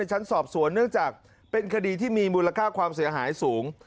ชั้นสอบสวนเนื่องจากเป็นคดีที่มีมูลค่าความเสียหายสูง